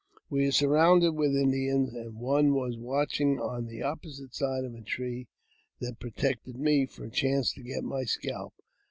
We were surrounded with Indians, and one was watching, on the opposite side of the tree that protected me, for a chance to get my scalp.